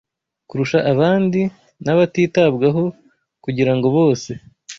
kurusha abandi n’abatitabwaho kugira ngo bose